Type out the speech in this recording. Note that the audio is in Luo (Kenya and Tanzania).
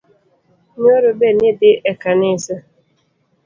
Nyoro be nidhii e kanisa?